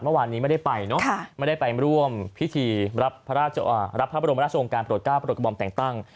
เมื่อวานนี้ไม่ได้ไปเนอะไม่ได้ไปร่วมพิธีรับมาราชองการปลอดกรจากบอมแต่งตั้ง